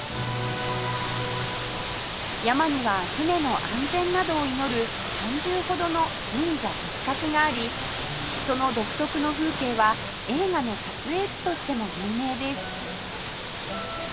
山には船の安全などを祈る３０ほどの神社仏閣がありその独特の風景は映画の撮影地としても有名です